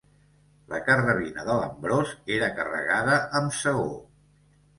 La carrabina de l'Ambròs era carregada amb segó.